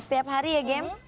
setiap hari ya gem